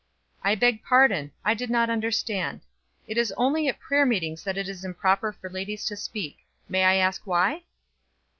"I beg pardon. I did not understand. It is only at prayer meetings that it is improper for ladies to speak. May I ask why?"